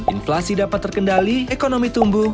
inflasi dapat terkendali ekonomi tumbuh